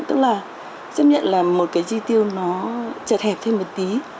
tức là chấp nhận là một cái chi tiêu nó chật hẹp thêm một tí